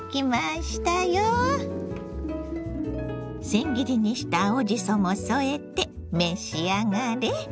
せん切りにした青じそも添えて召し上がれ。